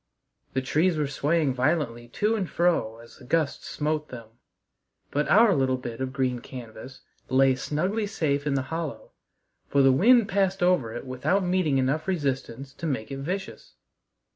The trees were swaying violently to and fro as the gusts smote them, but our little bit of green canvas lay snugly safe in the hollow, for the wind passed over it without meeting enough resistance to make it vicious.